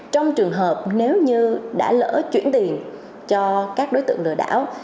trong trường hợp nếu như đã lỡ chuyển tiền cho các đối tượng lừa đảo